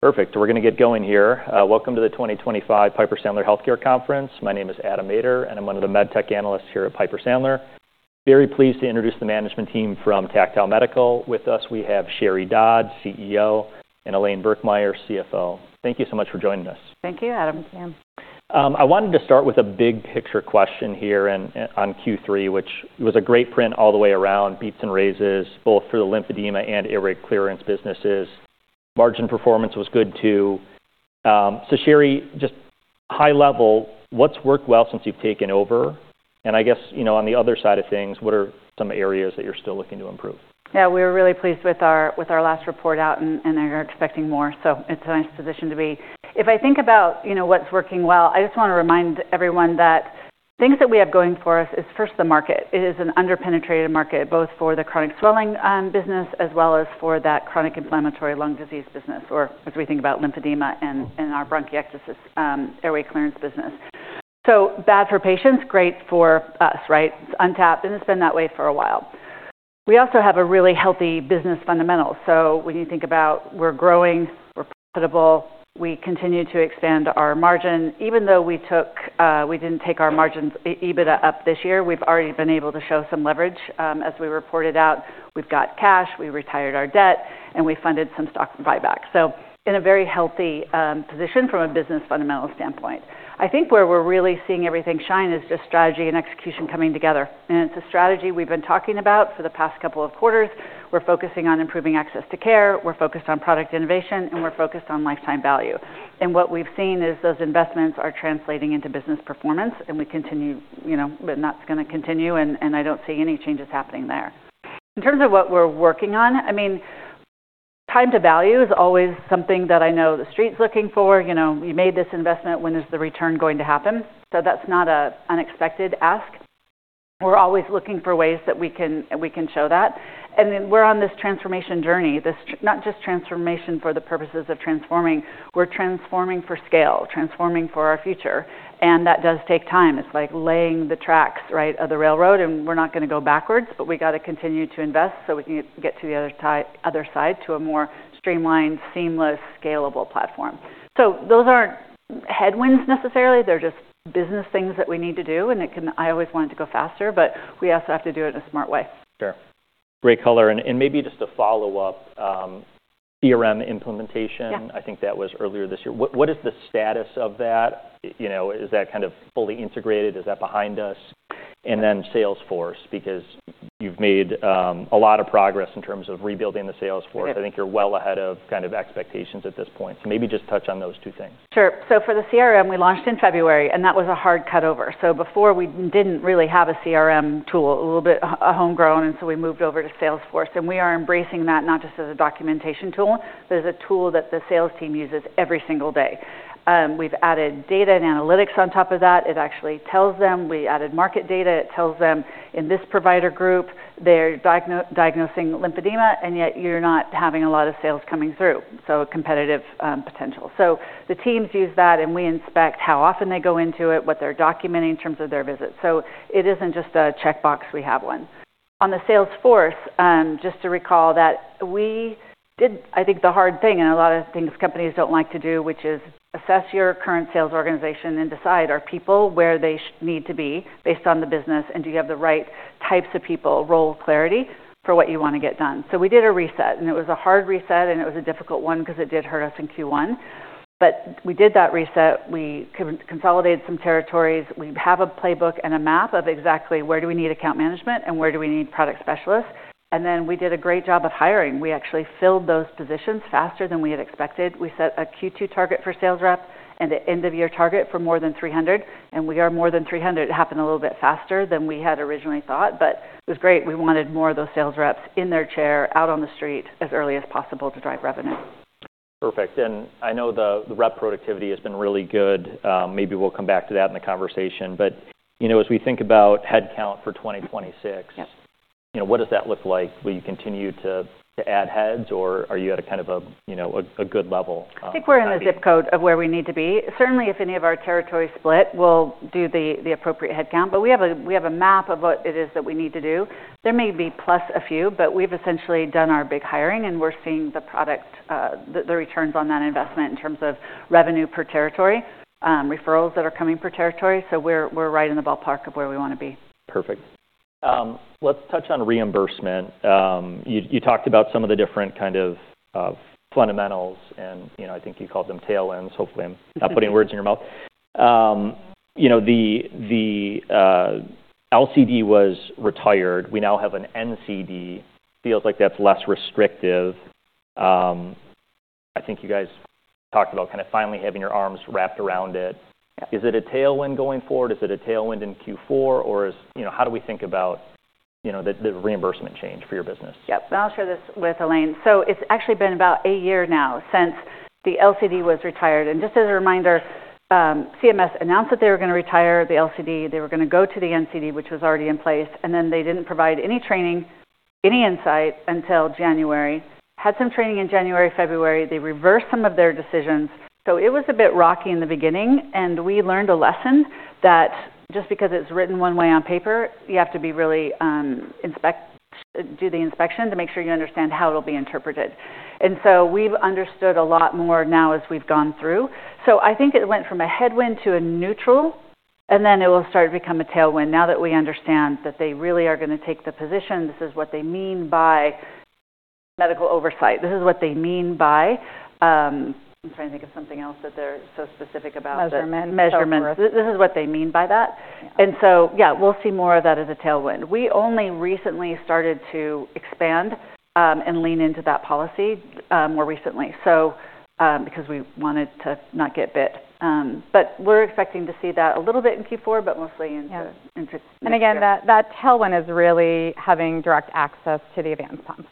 Perfect. We're going to get going here. Welcome to the 2025 Piper Sandler Healthcare Conference. My name is Adam Maeder, and I'm one of the Med Tech analysts here at Piper Sandler. Very pleased to introduce the management team from Tactile Medical. With us, we have Sheri Dodd, CEO, and Elaine Birkemeyer, CFO. Thank you so much for joining us. Thank you, Adam. I wanted to start with a big picture question here on Q3, which was a great print all the way around, beats and raises, both for the lymphedema and airway clearance businesses. Margin performance was good too. Sheri, just high level, what's worked well since you've taken over? I guess, you know, on the other side of things, what are some areas that you're still looking to improve? Yeah, we were really pleased with our last report out, and they're expecting more. It's a nice position to be. If I think about what's working well, I just want to remind everyone that things that we have going for us is first the market. It is an under-penetrated market, both for the chronic swelling business as well as for that chronic inflammatory lung disease business, or as we think about lymphedema and our bronchiectasis airway clearance business. Bad for patients, great for us, right? It's untapped and it's been that way for a while. We also have really healthy business fundamentals. When you think about we're growing, we're profitable, we continue to expand our margin. Even though we didn't take our margins, EBITDA, up this year, we've already been able to show some leverage. As we reported out, we've got cash, we retired our debt, and we funded some stock buybacks. In a very healthy position from a business fundamental standpoint. I think where we're really seeing everything shine is just strategy and execution coming together. It's a strategy we've been talking about for the past couple of quarters. We're focusing on improving access to care, we're focused on product innovation, and we're focused on lifetime value. What we've seen is those investments are translating into business performance, and we continue, and that's going to continue, and I don't see any changes happening there. In terms of what we're working on, I mean, time to value is always something that I know the street's looking for. You made this investment, when is the return going to happen? That's not an unexpected ask. We're always looking for ways that we can show that. We're on this transformation journey, not just transformation for the purposes of transforming, we're transforming for scale, transforming for our future. That does take time. It's like laying the tracks of the railroad, and we're not going to go backwards, but we have to continue to invest so we can get to the other side to a more streamlined, seamless, scalable platform. Those aren't headwinds necessarily, they're just business things that we need to do, and I always wanted to go faster, but we also have to do it in a smart way. Sure. Great color. Maybe just a follow-up, CRM implementation, I think that was earlier this year. What is the status of that? Is that kind of fully integrated? Is that behind us? Salesforce, because you've made a lot of progress in terms of rebuilding the Salesforce. I think you're well ahead of kind of expectations at this point. Maybe just touch on those two things. Sure. For the CRM, we launched in February, and that was a hard cutover. Before, we did not really have a CRM tool, a little bit homegrown, and we moved over to Salesforce. We are embracing that not just as a documentation tool, but as a tool that the sales team uses every single day. We have added data and analytics on top of that. It actually tells them, we added market data, it tells them, in this provider group, they are diagnosing lymphedema, and yet you are not having a lot of sales coming through. Competitive potential. The teams use that, and we inspect how often they go into it, what they are documenting in terms of their visits. It is not just a checkbox, we have one. On the Salesforce, just to recall that we did, I think, the hard thing, and a lot of things companies do not like to do, which is assess your current sales organization and decide, are people where they need to be based on the business, and do you have the right types of people, role clarity for what you want to get done? We did a reset, and it was a hard reset, and it was a difficult one because it did hurt us in Q1. We did that reset, we consolidated some territories, we have a playbook and a map of exactly where do we need account management and where do we need product specialists. We did a great job of hiring. We actually filled those positions faster than we had expected. We set a Q2 target for sales rep and an end-of-year target for more than 300, and we are more than 300. It happened a little bit faster than we had originally thought, but it was great. We wanted more of those sales reps in their chair, out on the street as early as possible to drive revenue. Perfect. I know the rep productivity has been really good. Maybe we'll come back to that in the conversation. As we think about headcount for 2026, what does that look like? Will you continue to add heads, or are you at a kind of a good level? I think we're in the zip code of where we need to be. Certainly, if any of our territories split, we'll do the appropriate headcount, but we have a map of what it is that we need to do. There may be plus a few, but we've essentially done our big hiring, and we're seeing the product, the returns on that investment in terms of revenue per territory, referrals that are coming per territory. We are right in the ballpark of where we want to be. Perfect. Let's touch on reimbursement. You talked about some of the different kind of fundamentals, and I think you called them tail ends, hopefully I'm not putting words in your mouth. The LCD was retired. We now have an NCD. Feels like that's less restrictive. I think you guys talked about kind of finally having your arms wrapped around it. Is it a tailwind going forward? Is it a tailwind in Q4, or how do we think about the reimbursement change for your business? Yep. I'll share this with Elaine. It's actually been about a year now since the LCD was retired. Just as a reminder, CMS announced that they were going to retire the LCD, they were going to go to the NCD, which was already in place, and then they did not provide any training, any insight until January. Had some training in January, February, they reversed some of their decisions. It was a bit rocky in the beginning, and we learned a lesson that just because it's written one way on paper, you have to really do the inspection to make sure you understand how it'll be interpreted. We have understood a lot more now as we have gone through. I think it went from a headwind to a neutral, and then it will start to become a tailwind now that we understand that they really are going to take the position, this is what they mean by medical oversight, this is what they mean by, I'm trying to think of something else that they're so specific about. Measurement. Measurement. This is what they mean by that. Yeah, we'll see more of that as a tailwind. We only recently started to expand and lean into that policy more recently, because we wanted to not get bit. We're expecting to see that a little bit in Q4, mostly in. That tailwind is really having direct access to the advanced pump,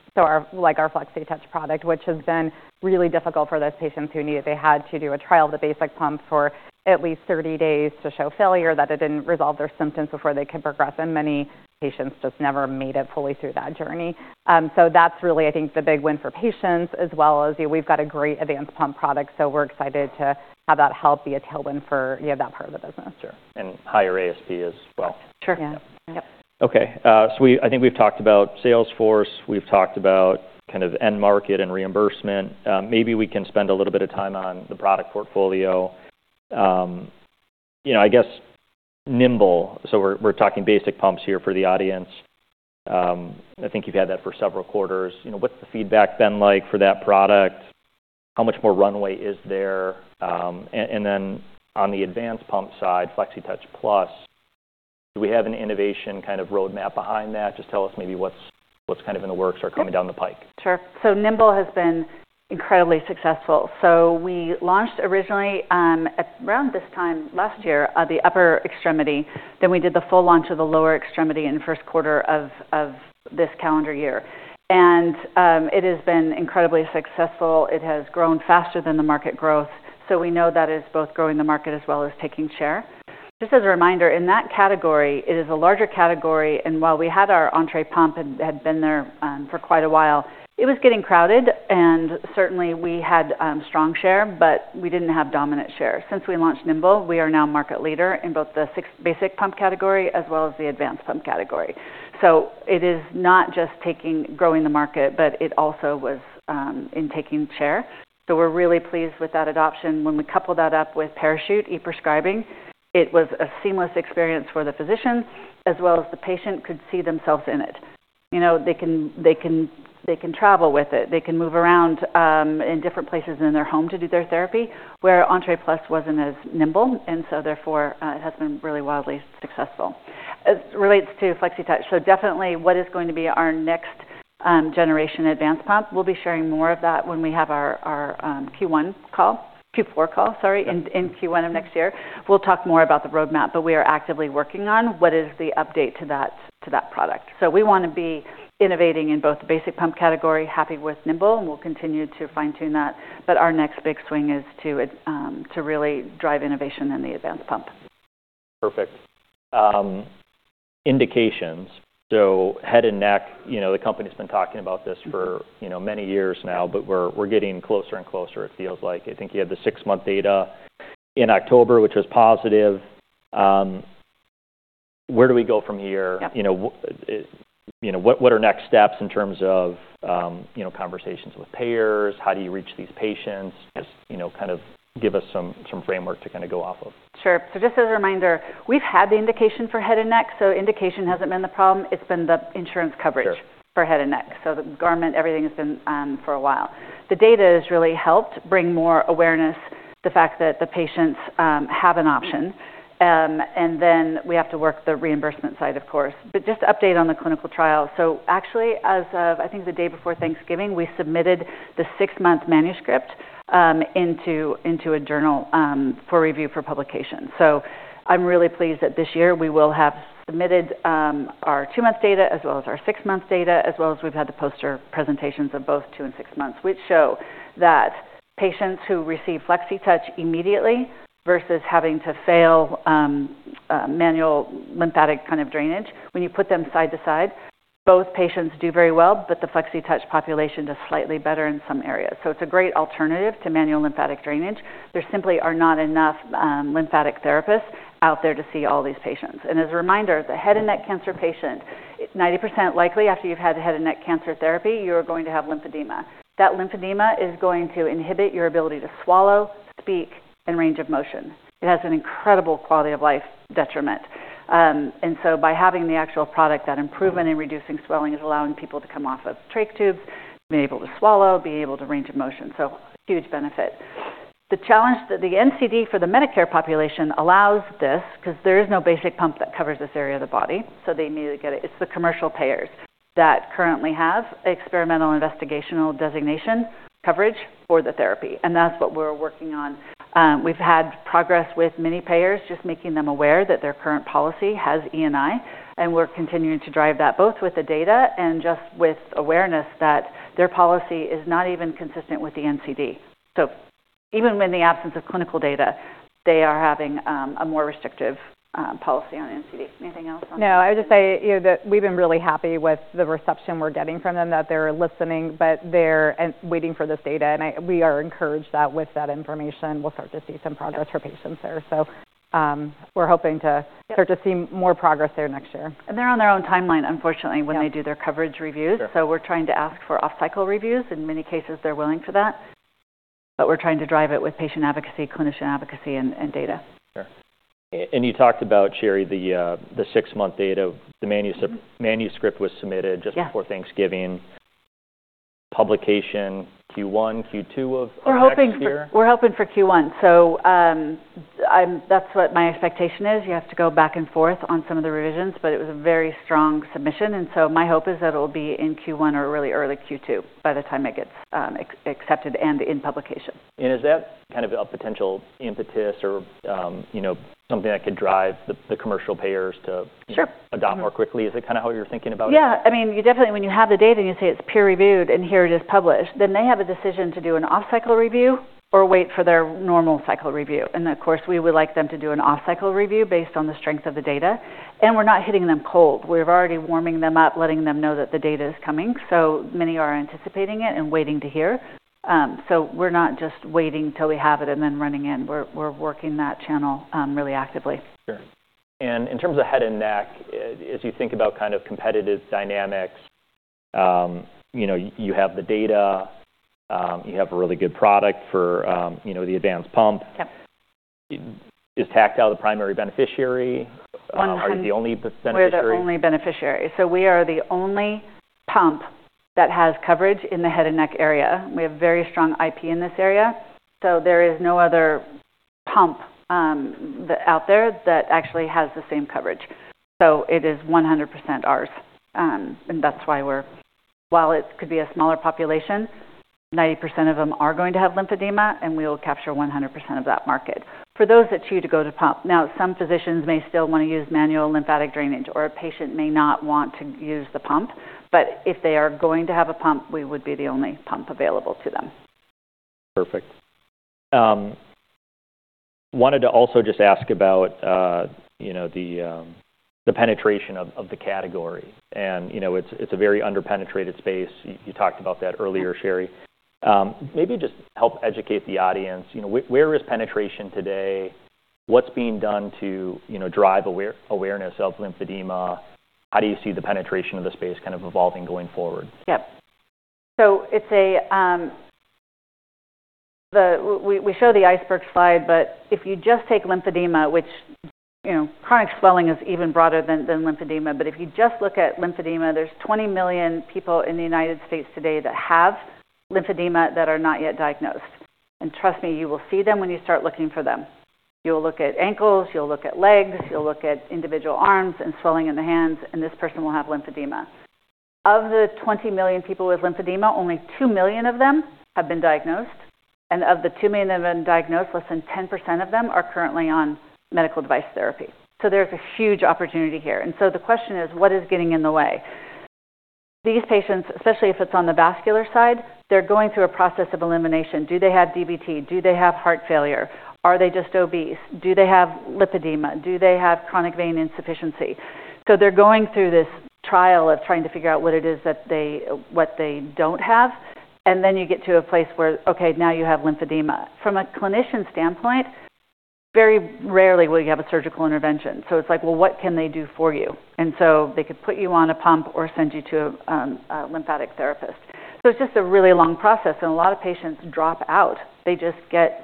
like our Flexitouch product, which has been really difficult for those patients who need it. They had to do a trial of the basic pump for at least 30 days to show failure, that it did not resolve their symptoms before they could progress, and many patients just never made it fully through that journey. That is really, I think, the big win for patients, as well as we have got a great advanced pump product, so we are excited to have that help be a tailwind for that part of the business. Sure. And higher ASP as well. Sure. Yep. Okay. I think we've talked about Salesforce, we've talked about kind of end market and reimbursement. Maybe we can spend a little bit of time on the product portfolio. I guess Nimbl, so we're talking basic pumps here for the audience. I think you've had that for several quarters. What's the feedback been like for that product? How much more runway is there? On the advanced pump side, Flexitouch Plus, do we have an innovation kind of roadmap behind that? Just tell us maybe what's kind of in the works or coming down the pike. Sure. Nimbl has been incredibly successful. We launched originally around this time last year of the upper extremity, then we did the full launch of the lower extremity in the first quarter of this calendar year. It has been incredibly successful. It has grown faster than the market growth. We know that is both growing the market as well as taking share. Just as a reminder, in that category, it is a larger category, and while we had our Entre pump and had been there for quite a while, it was getting crowded, and certainly we had strong share, but we did not have dominant share. Since we launched Nimbl, we are now market leader in both the basic pump category as well as the advanced pump category. It is not just growing the market, but it also was in taking share. We're really pleased with that adoption. When we couple that up with Parachute ePrescribing, it was a seamless experience for the physicians as well as the patient could see themselves in it. They can travel with it. They can move around in different places in their home to do their therapy, where Entre Plus wasn't as Nimbl, and so therefore it has been really wildly successful. As it relates to Flexitouch, definitely what is going to be our next generation advanced pump, we'll be sharing more of that when we have our Q4 call, sorry, in Q1 of next year. We'll talk more about the roadmap, but we are actively working on what is the update to that product. We want to be innovating in both the basic pump category, happy with Nimbl, and we'll continue to fine-tune that. Our next big swing is to really drive innovation in the advanced pump. Perfect. Indications. Head and neck, the company's been talking about this for many years now, but we're getting closer and closer, it feels like. I think you had the six-month data in October, which was positive. Where do we go from here? What are next steps in terms of conversations with payers? How do you reach these patients? Just kind of give us some framework to kind of go off of. Sure. Just as a reminder, we've had the indication for head and neck, so indication hasn't been the problem. It's been the insurance coverage for head and neck. The garment, everything has been for a while. The data has really helped bring more awareness, the fact that the patients have an option. We have to work the reimbursement side, of course. Just update on the clinical trial. Actually, as of, I think the day before Thanksgiving, we submitted the six-month manuscript into a journal for review for publication. I'm really pleased that this year we will have submitted our two-month data as well as our six-month data, as well as we've had the poster presentations of both two and six months, which show that patients who receive Flexitouch immediately versus having to fail manual lymphatic kind of drainage, when you put them side to side, both patients do very well, but the Flexitouch population does slightly better in some areas. It is a great alternative to manual lymphatic drainage. There simply are not enough lymphatic therapists out there to see all these patients. As a reminder, the head and neck cancer patient, 90% likely after you've had head and neck cancer therapy, you are going to have lymphedema. That lymphedema is going to inhibit your ability to swallow, speak, and range of motion. It has an incredible quality of life detriment. By having the actual product, that improvement in reducing swelling is allowing people to come off of trach tubes, be able to swallow, be able to range of motion. Huge benefit. The challenge is that the NCD for the Medicare population allows this, because there is no basic pump that covers this area of the body, so they need to get it. It's the commercial payers that currently have experimental investigational designation coverage for the therapy. That's what we're working on. We've had progress with many payers, just making them aware that their current policy has E&I, and we're continuing to drive that both with the data and just with awareness that their policy is not even consistent with the NCD. Even with the absence of clinical data, they are having a more restrictive policy on NCD. Anything else? No, I would just say that we've been really happy with the reception we're getting from them, that they're listening but they're waiting for this data. We are encouraged that with that information, we'll start to see some progress for patients there. We're hoping to start to see more progress there next year. They're on their own timeline, unfortunately, when they do their coverage reviews. We're trying to ask for off-cycle reviews. In many cases, they're willing for that. We're trying to drive it with patient advocacy, clinician advocacy, and data. Sure. You talked about, Sheri, the six-month data. The manuscript was submitted just before Thanksgiving. Publication Q1, Q2 of next year? We're hoping for Q1. That's what my expectation is. You have to go back and forth on some of the revisions, but it was a very strong submission. My hope is that it will be in Q1 or early Q2 by the time it gets accepted and in publication. Is that kind of a potential impetus or something that could drive the commercial payers to adopt more quickly? Is that kind of how you're thinking about it? Yeah. I mean, definitely when you have the data and you say it's peer-reviewed and here it is published, they have a decision to do an off-cycle review or wait for their normal cycle review. Of course, we would like them to do an off-cycle review based on the strength of the data. We're not hitting them cold. We're already warming them up, letting them know that the data is coming. Many are anticipating it and waiting to hear. We're not just waiting till we have it and then running in. We're working that channel really actively. Sure. In terms of head and neck, as you think about kind of competitive dynamics, you have the data, you have a really good product for the advanced pump. Is Tactile the primary beneficiary? Are you the only beneficiary? We're the only beneficiary. We are the only pump that has coverage in the head and neck area. We have very strong IP in this area. There is no other pump out there that actually has the same coverage. It is 100% ours. That is why, while it could be a smaller population, 90% of them are going to have lymphedema, and we will capture 100% of that market. For those that choose to go to pump, some physicians may still want to use manual lymphatic drainage, or a patient may not want to use the pump. If they are going to have a pump, we would be the only pump available to them. Perfect. Wanted to also just ask about the penetration of the category. It is a very under-penetrated space. You talked about that earlier, Sheri. Maybe just help educate the audience. Where is penetration today? What is being done to drive awareness of lymphedema? How do you see the penetration of the space kind of evolving going forward? Yep. We show the iceberg slide, but if you just take lymphedema, which chronic swelling is even broader than lymphedema, but if you just look at lymphedema, there are 20 million people in the U.S. today that have lymphedema that are not yet diagnosed. Trust me, you will see them when you start looking for them. You will look at ankles, you will look at legs, you will look at individual arms and swelling in the hands, and this person will have lymphedema. Of the 20 million people with lymphedema, only 2 million of them have been diagnosed. Of the 2 million of them diagnosed, less than 10% of them are currently on medical device therapy. There is a huge opportunity here. The question is, what is getting in the way? These patients, especially if it is on the vascular side, are going through a process of elimination. Do they have DVT? Do they have heart failure? Are they just obese? Do they have lipedema? Do they have chronic venous insufficiency? They're going through this trial of trying to figure out what it is that they don't have. Then you get to a place where, okay, now you have lymphedema. From a clinician standpoint, very rarely will you have a surgical intervention. It's like, well, what can they do for you? They could put you on a pump or send you to a lymphatic therapist. It's just a really long process. A lot of patients drop out. They just get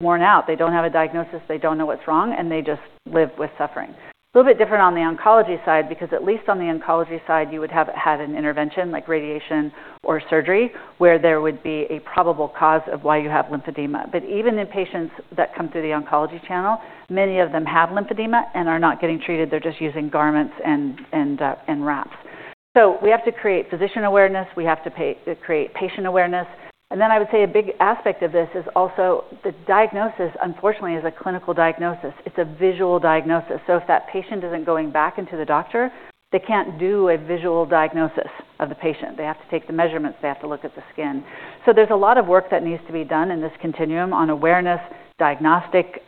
worn out. They don't have a diagnosis. They don't know what's wrong, and they just live with suffering. A little bit different on the oncology side, because at least on the oncology side, you would have had an intervention like radiation or surgery where there would be a probable cause of why you have lymphedema. Even in patients that come through the oncology channel, many of them have lymphedema and are not getting treated. They're just using garments and wraps. We have to create physician awareness. We have to create patient awareness. I would say a big aspect of this is also the diagnosis, unfortunately, is a clinical diagnosis. It's a visual diagnosis. If that patient isn't going back into the doctor, they can't do a visual diagnosis of the patient. They have to take the measurements. They have to look at the skin. There is a lot of work that needs to be done in this continuum on awareness. Diagnostic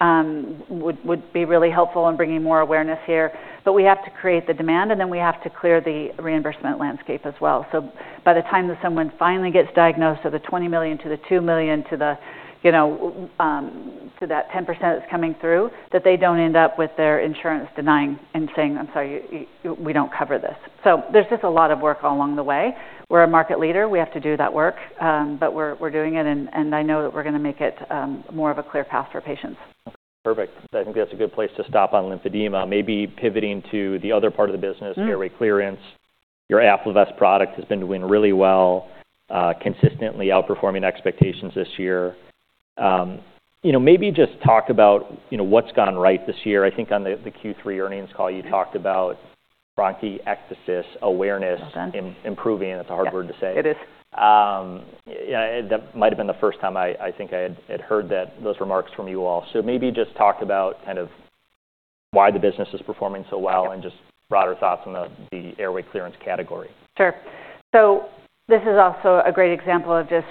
would be really helpful in bringing more awareness here. We have to create the demand, and then we have to clear the reimbursement landscape as well. By the time that someone finally gets diagnosed of the 20 million to the 2 million to that 10% that's coming through, that they don't end up with their insurance denying and saying, "I'm sorry, we don't cover this." There's just a lot of work along the way. We're a market leader. We have to do that work, but we're doing it, and I know that we're going to make it more of a clear path for patients. Okay. Perfect. I think that's a good place to stop on lymphedema. Maybe pivoting to the other part of the business, airway clearance. Your AffloVest product has been doing really well, consistently outperforming expectations this year. Maybe just talk about what's gone right this year. I think on the Q3 earnings call, you talked about bronchiectasis awareness improving. That's a hard word to say. It is. That might have been the first time I think I had heard those remarks from you all. Maybe just talk about kind of why the business is performing so well and just broader thoughts on the airway clearance category. Sure. This is also a great example of just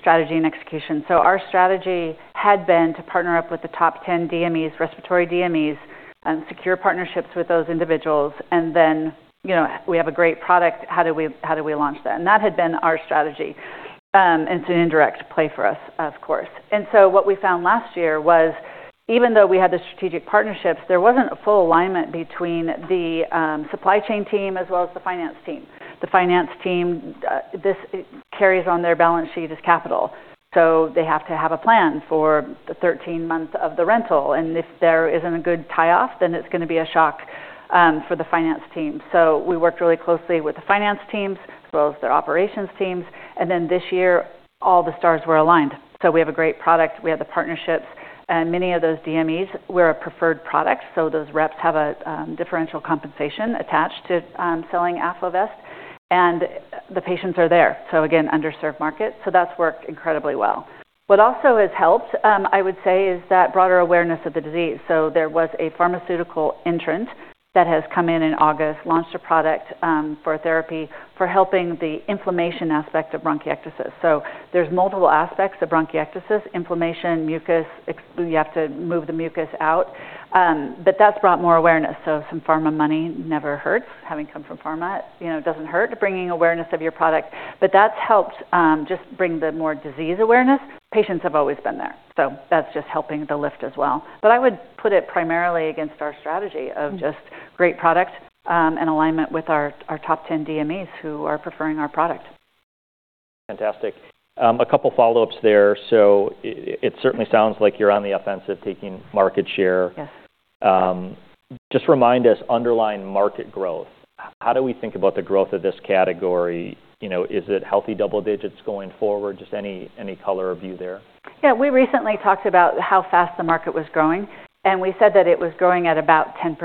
strategy and execution. Our strategy had been to partner up with the top 10 DMEs, respiratory DMEs, secure partnerships with those individuals, and then we have a great product. How do we launch that? That had been our strategy. It's an indirect play for us, of course. What we found last year was, even though we had the strategic partnerships, there was not a full alignment between the supply chain team as well as the finance team. The finance team carries on their balance sheet as capital. They have to have a plan for the 13 months of the rental. If there is not a good tie-off, then it is going to be a shock for the finance team. We worked really closely with the finance teams as well as their operations teams. This year, all the stars were aligned. We have a great product. We have the partnerships. Many of those DMEs, we're a preferred product. Those reps have a differential compensation attached to selling AffloVest. The patients are there. Again, underserved market. That has worked incredibly well. What also has helped, I would say, is that broader awareness of the disease. There was a pharmaceutical entrant that has come in in August, launched a product for therapy for helping the inflammation aspect of bronchiectasis. There are multiple aspects of bronchiectasis: inflammation, mucus. You have to move the mucus out. That has brought more awareness. Some pharma money never hurts. Having come from pharma does not hurt. Bringing awareness of your product. That has helped just bring more disease awareness. Patients have always been there. That is just helping the lift as well. I would put it primarily against our strategy of just great product and alignment with our top 10 DMEs who are preferring our product. Fantastic. A couple of follow-ups there. It certainly sounds like you're on the offensive taking market share. Just remind us, underlying market growth. How do we think about the growth of this category? Is it healthy double digits going forward? Just any color of view there. Yeah. We recently talked about how fast the market was growing. We said that it was growing at about 10%.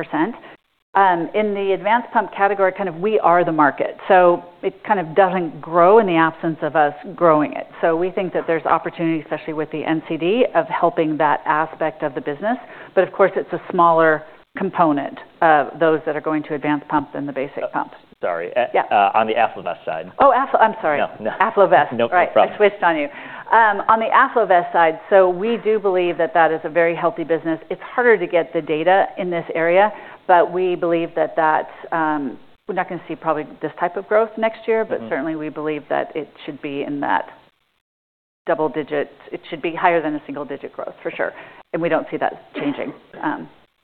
In the advanced pump category, kind of we are the market. It kind of does not grow in the absence of us growing it. We think that there is opportunity, especially with the NCD, of helping that aspect of the business. Of course, it is a smaller component of those that are going to advanced pump than the basic pump. Sorry. On the AffloVest side. Oh, AffloVest. I'm sorry. AffloVest. No, no problem. I switched on you. On the AffloVest side, we do believe that that is a very healthy business. It's harder to get the data in this area, but we believe that we're not going to see probably this type of growth next year, but certainly we believe that it should be in that double digit. It should be higher than a single digit growth, for sure. We don't see that changing.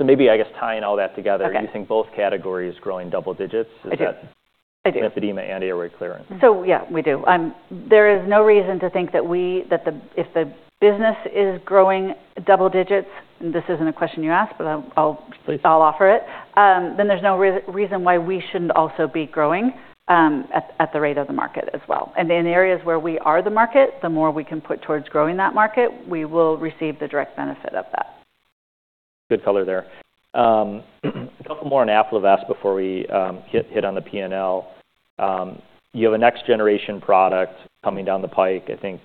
Maybe, I guess, tying all that together, you think both categories growing double digits? Is that lymphedema and airway clearance? Yeah, we do. There is no reason to think that if the business is growing double digits, and this is not a question you asked, but I'll offer it, then there is no reason why we should not also be growing at the rate of the market as well. In areas where we are the market, the more we can put towards growing that market, we will receive the direct benefit of that. Good color there. A couple more on AffloVest before we hit on the P&L. You have a next-generation product coming down the pike. I think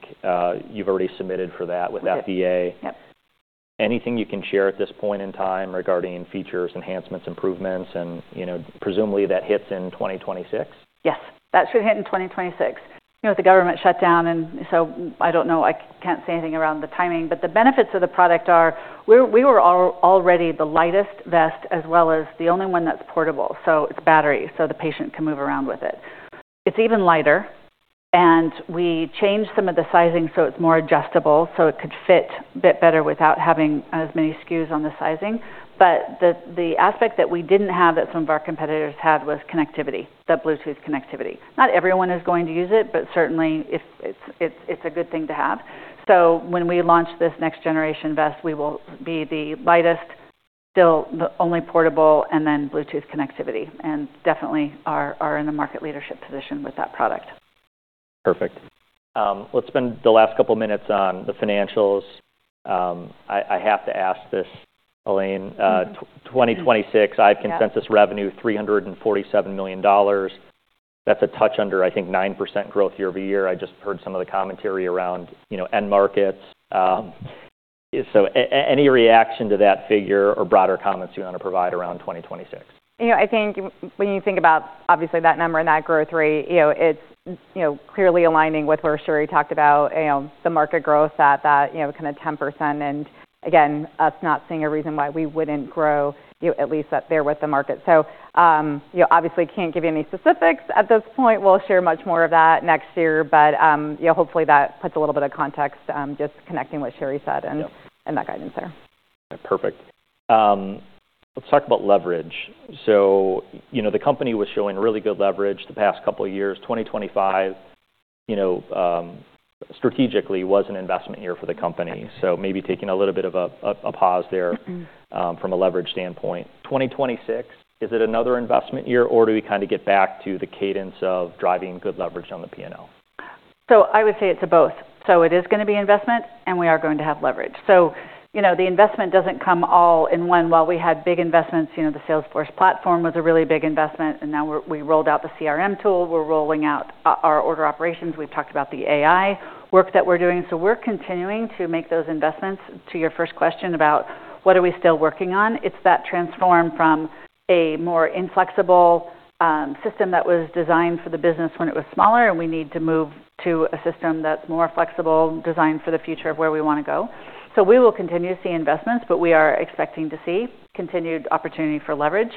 you've already submitted for that with FDA. Anything you can share at this point in time regarding features, enhancements, improvements, and presumably that hits in 2026? Yes. That should hit in 2026. With the government shutdown, I do not know. I cannot say anything around the timing. The benefits of the product are we were already the lightest vest as well as the only one that is portable. It is battery. The patient can move around with it. It is even lighter. We changed some of the sizing so it is more adjustable so it could fit a bit better without having as many SKUs on the sizing. The aspect that we did not have that some of our competitors had was connectivity, the Bluetooth connectivity. Not everyone is going to use it, but certainly it is a good thing to have. When we launch this next-generation vest, we will be the lightest, still the only portable, and then Bluetooth connectivity. We definitely are in a market leadership position with that product. Perfect. Let's spend the last couple of minutes on the financials. I have to ask this, Elaine. 2026, I have consensus revenue, $347 million. That's a touch under, I think, 9% growth year-over-year. I just heard some of the commentary around end markets. Any reaction to that figure or broader comments you want to provide around 2026? I think when you think about, obviously, that number and that growth rate, it's clearly aligning with where Sheri talked about the market growth at that kind of 10%. Again, us not seeing a reason why we wouldn't grow, at least that there with the market. Obviously, can't give you any specifics at this point. We'll share much more of that next year. Hopefully, that puts a little bit of context, just connecting what Sheri said and that guidance there. Perfect. Let's talk about leverage. The company was showing really good leverage the past couple of years. 2025, strategically, was an investment year for the company. Maybe taking a little bit of a pause there from a leverage standpoint. 2026, is it another investment year, or do we kind of get back to the cadence of driving good leverage on the P&L? I would say it's a both. It is going to be investment, and we are going to have leverage. The investment doesn't come all in one. While we had big investments, the Salesforce platform was a really big investment. Now we rolled out the CRM tool. We're rolling out our order operations. We've talked about the AI work that we're doing. We're continuing to make those investments. To your first question about what are we still working on, it's that transform from a more inflexible system that was designed for the business when it was smaller, and we need to move to a system that's more flexible, designed for the future of where we want to go. We will continue to see investments, but we are expecting to see continued opportunity for leverage.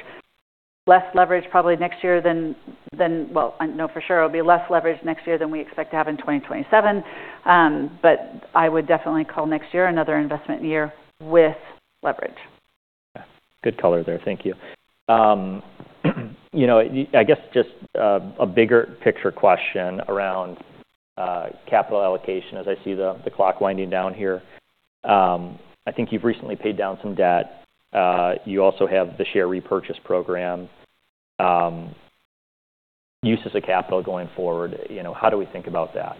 Less leverage probably next year than, no, for sure. It'll be less leverage next year than we expect to have in 2027. I would definitely call next year another investment year with leverage. Good color there. Thank you. I guess just a bigger picture question around capital allocation as I see the clock winding down here. I think you've recently paid down some debt. You also have the share repurchase program. Use as a capital going forward. How do we think about that?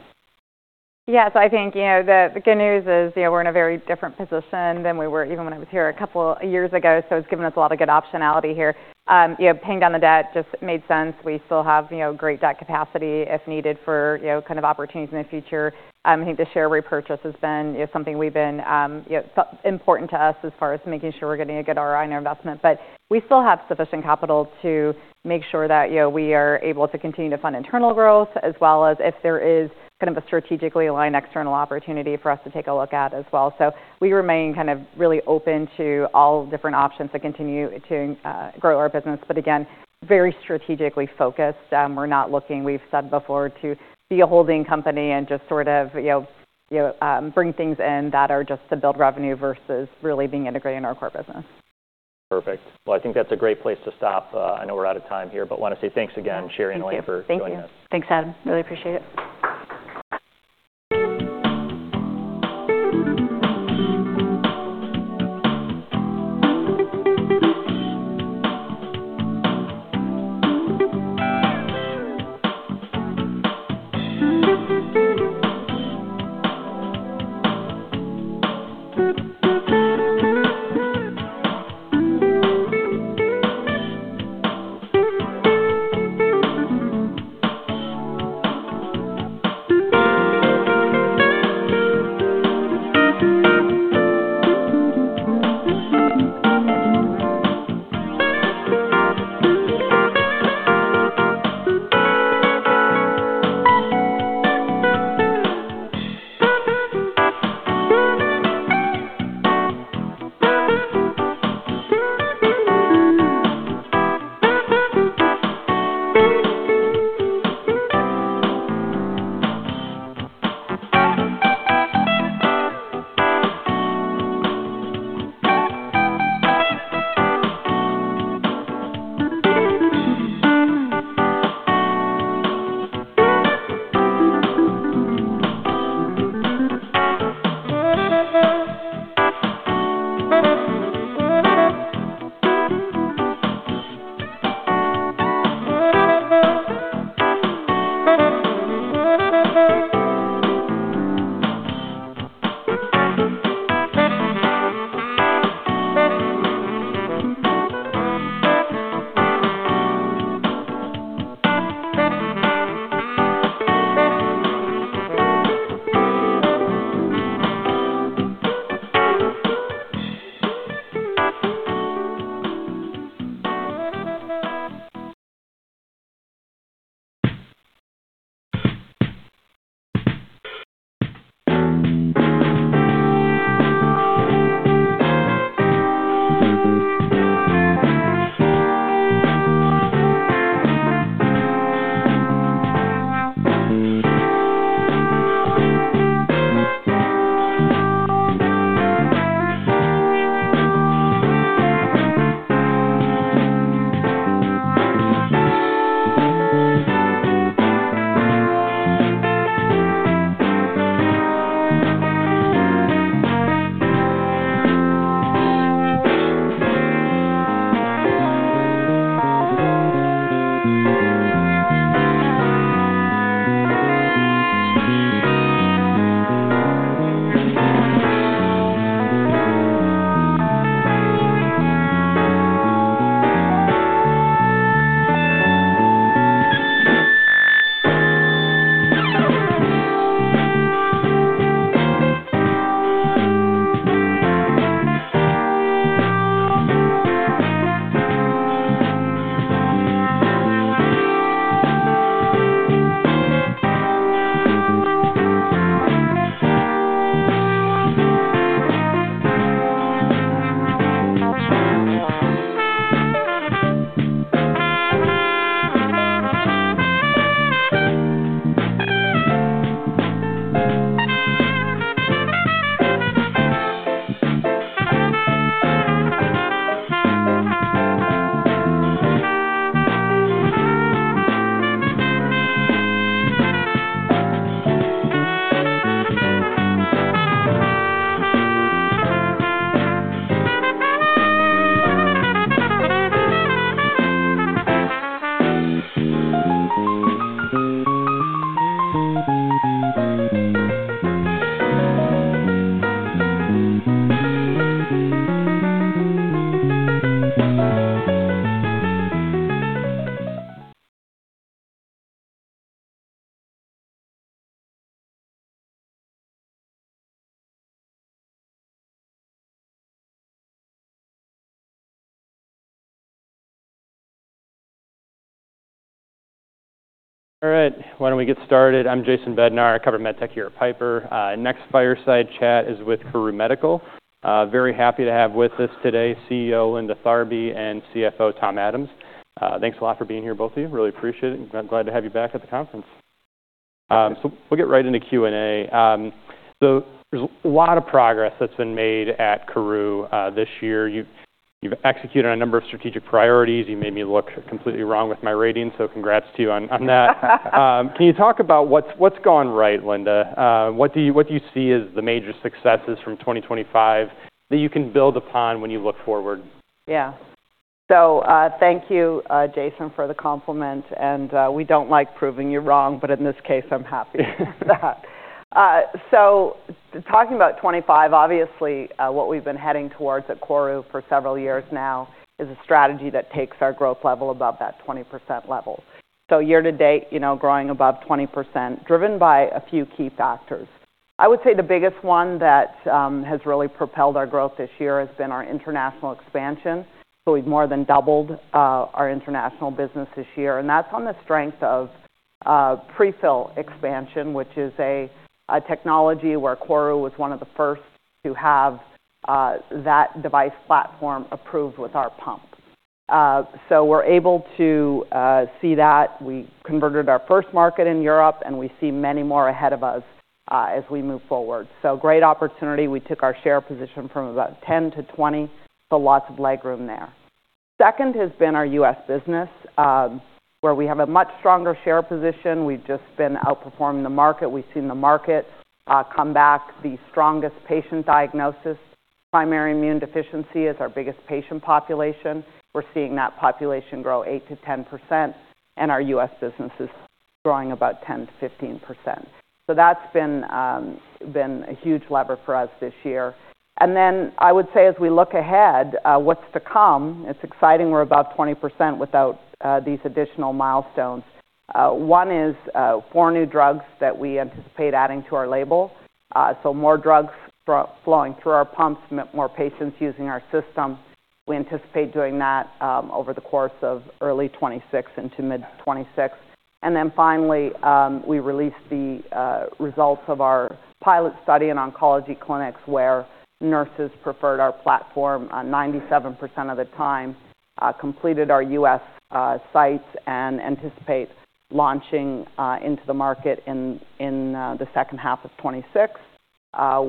Yeah. I think the good news is we're in a very different position than we were even when I was here a couple of years ago. It's given us a lot of good optionality here. Paying down the debt just made sense. We still have great debt capacity if needed for opportunities in the future. I think the share repurchase has been something that's been important to us as far as making sure we're getting a good ROI on our investment. We still have sufficient capital to make sure that we are able to continue to fund internal growth as well as if there is a strategically aligned external opportunity for us to take a look at as well. We remain really open to all different options to continue to grow our business. Again, very strategically focused. We're not looking, we've said before, to be a holding company and just sort of bring things in that are just to build revenue versus really being integrated in our core business. Perfect. I think that's a great place to stop. I know we're out of time here, but want to say thanks again, Sheri and Elaine, for joining us. Thank you. Thanks, Adam. Really appreciate it. All right. Why don't we get started? I'm Jason Bednar. I cover Med Tech here at Piper. Next fireside chat is with KORU Medical. Very happy to have with us today, CEO Linda Tharby and CFO Tom Adams. Thanks a lot for being here, both of you. Really appreciate it. Glad to have you back at the conference. We'll get right into Q&A. There's a lot of progress that's been made at KORU this year. You've executed on a number of strategic priorities. You made me look completely wrong with my rating. Congrats to you on that. Can you talk about what's gone right, Linda? What do you see as the major successes from 2025 that you can build upon when you look forward? Yeah. Thank you, Jason, for the compliment. We do not like proving you wrong, but in this case, I am happy with that. Talking about 2025, obviously, what we have been heading towards at KORU for several years now is a strategy that takes our growth level above that 20% level. Year-to-date, growing above 20%, driven by a few key factors. I would say the biggest one that has really propelled our growth this year has been our international expansion. We have more than doubled our international business this year. That is on the strength of prefill expansion, which is a technology where KORU was one of the first to have that device platform approved with our pump. We are able to see that. We converted our first market in Europe, and we see many more ahead of us as we move forward. Great opportunity. We took our share position from about 10 to 20, so lots of legroom there. Second has been our U.S. business, where we have a much stronger share position. We've just been outperforming the market. We've seen the market come back. The strongest patient diagnosis, primary immune deficiency, is our biggest patient population. We're seeing that population grow 8%-10%, and our U.S. business is growing about 10%-15%. That has been a huge lever for us this year. I would say, as we look ahead, what's to come? It's exciting. We're above 20% without these additional milestones. One is four new drugs that we anticipate adding to our label. More drugs flowing through our pumps, more patients using our system. We anticipate doing that over the course of early 2026 into mid-2026. Finally, we released the results of our pilot study in oncology clinics where nurses preferred our platform 97% of the time, completed our U.S. sites, and anticipate launching into the market in the second half of 2026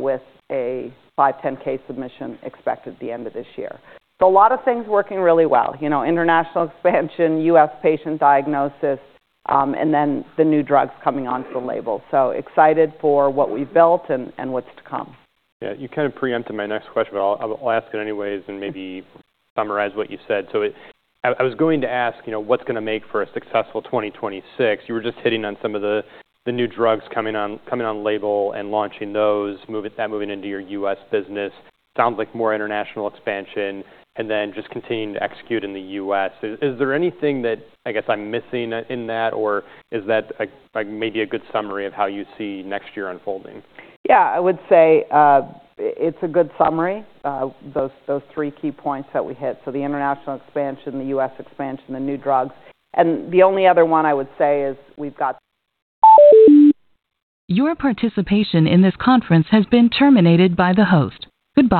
with a 510(k) submission expected at the end of this year. A lot of things are working really well: international expansion, U.S. patient diagnosis, and the new drugs coming onto the label. Excited for what we have built and what is to come. Yeah. You kind of preempted my next question, but I'll ask it anyways and maybe summarize what you said. I was going to ask, what's going to make for a successful 2026? You were just hitting on some of the new drugs coming on label and launching those, that moving into your U.S. business. Sounds like more international expansion and then just continuing to execute in the U.S. Is there anything that I guess I'm missing in that, or is that maybe a good summary of how you see next year unfolding? Yeah. I would say it's a good summary, those three key points that we hit. The international expansion, the U.S. expansion, the new drugs. The only other one I would say is we've got. Your participation in this conference has been terminated by the host. Goodbye.